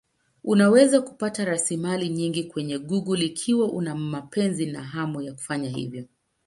Unaweza kupata rasilimali nyingi kwenye Google ikiwa una mapenzi na hamu ya kufanya hivyo.